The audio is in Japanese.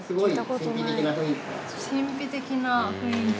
神秘的な雰囲気。